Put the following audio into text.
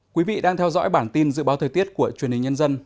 quý vị đang theo dõi bản tin dự báo thời tiết của truyền hình nhân dân